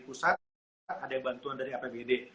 pusat ada yang bantuan dari apbd